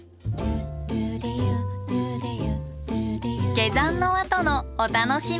下山のあとのお楽しみ。